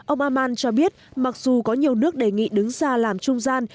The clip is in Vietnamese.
ông aman cho biết mặc dù có nhiều nước đề nghị đứng xa làm trung gian